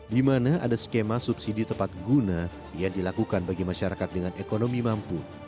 di mana ada skema subsidi tepat guna yang dilakukan bagi masyarakat dengan ekonomi mampu